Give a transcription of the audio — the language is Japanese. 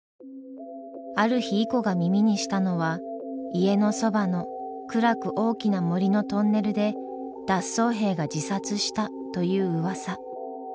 ある日イコが耳にしたのは「家のそばの暗く大きな森のトンネルで脱走兵が自殺した」といううわさ。